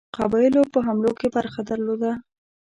قبایلو په حملو کې برخه درلوده.